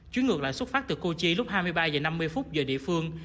chuyến ngược lại xuất phát từ kochi lúc hai mươi ba h năm mươi giờ địa phương